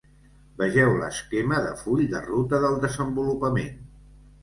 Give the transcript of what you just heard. Vegeu l'esquema de full de ruta del desenvolupament.